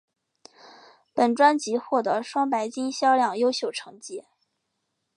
本专辑获得双白金销量优秀成绩。